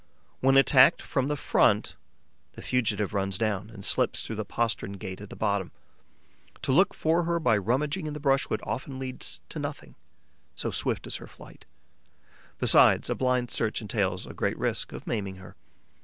When attacked from the front, the fugitive runs down and slips through the postern gate at the bottom. To look for her by rummaging in the brushwood often leads to nothing, so swift is her flight; besides, a blind search entails a great risk of maiming her.